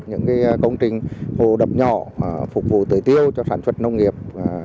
những công trình hồ đập nhỏ phục vụ tưới tiêu cho sản xuất nông nghiệp